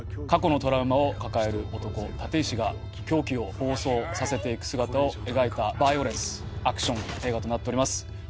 過去のトラウマを抱える男立石が狂気を暴走させていく姿を描いたバイオレンス・アクション映画となっております。